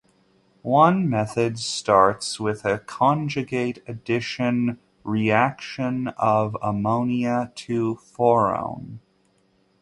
One method starts with a conjugate addition reaction of ammonia to phorone.